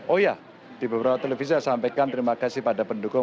oh ya di beberapa televisi saya sampaikan terima kasih pada pendukung